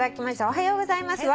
「おはようございます」